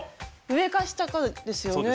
上か下かですよね？